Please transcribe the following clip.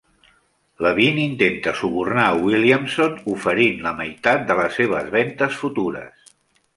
Levene intenta subornar a Williamson, oferint la meitat de les seves ventes futures.